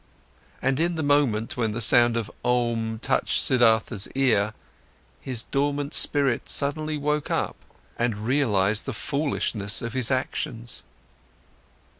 And in the moment when the sound of "Om" touched Siddhartha's ear, his dormant spirit suddenly woke up and realized the foolishness of his actions.